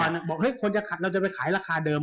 นี่บอกว่าเราจะไปขายราคาเดิม